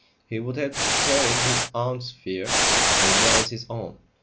He would have to carry his aunt's fear as well as his own.